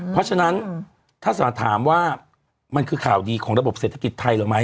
เพราะฉะนั้นถ้าถามว่ามันคือข่าวดีของระบบเศรษฐกิจไทยหรือไม่